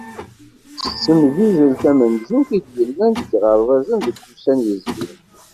S temsizzelt tamenzut i d-yellan deg yiɣerbazen deg wussan yezrin.